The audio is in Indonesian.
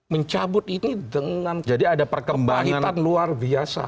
mencabut ini dengan kebahitan luar biasa